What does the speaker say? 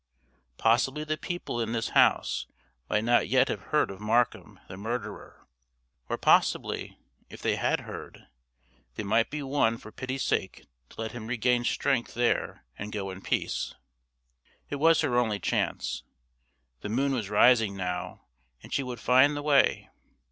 Possibly the people in this house might not yet have heard of Markham the murderer; or possibly, if they had heard, they might be won for pity's sake to let him regain strength there and go in peace. It was her only chance. The moon was rising now, and she would find the way.